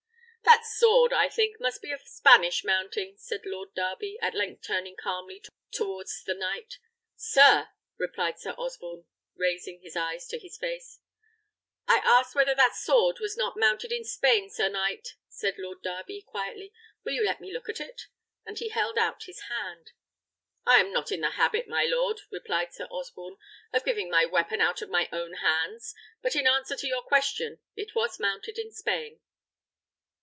"That sword, I think, must be of Spanish mounting," said Lord Darby, at length turning calmly towards the knight. "Sir!" replied Sir Osborne, raising his eyes to his face. "I asked whether that sword was not mounted in Spain, sir knight?" said Lord Darby, quietly. "Will you let me look at it?" and he held out his hand. "I am not in the habit, my lord," replied Sir Osborne, "of giving my weapon out of my own hands; but in answer to your question, it was mounted in Spain."